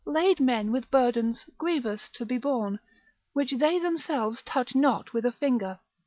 lade men with burdens grievous to be borne, which they themselves touch not with a finger.